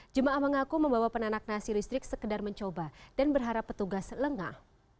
jemaah mengaku membawa penanak nasi listrik sekedar mencoba dan berharap petugas lengah